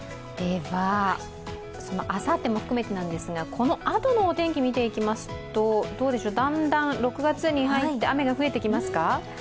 あさっても含めてなんですがこのあとのお天気を見ていきますとだんだん６月に入って雨が増えてきますか？